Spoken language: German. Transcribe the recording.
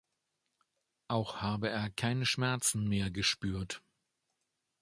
Auch habe er keine Schmerzen mehr gespürt.